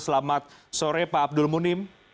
selamat sore pak abdul munim